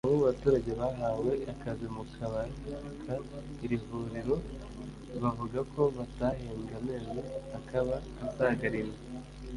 Bamwe mu baturage bahawe akazi mu kubaka iri vuriro bavuga ko batahembwe amezi akaba asaga arindwi